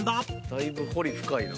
だいぶ彫り深いな。